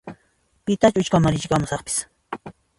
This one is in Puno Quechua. Pitachu icha kamarikamusaqpas?